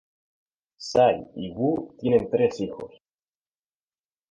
Tsai y Wu tienen tres hijos.